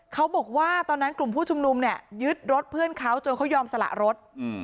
เขาบอกว่าตอนนั้นกลุ่มผู้ชุมนุมเนี่ยยึดรถเพื่อนเขาจนเขายอมสละรถ